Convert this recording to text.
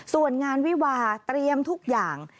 ส่วนงานวิวาเตรียมทุกอย่าง